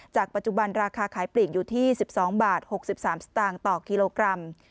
ปัจจุบันราคาขายปลีกอยู่ที่๑๒บาท๖๓สตางค์ต่อกิโลกรัม